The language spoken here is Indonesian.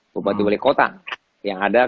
bupati wali kota yang ada